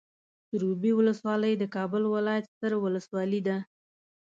سروبي ولسوالۍ د کابل ولايت ستر ولسوالي ده.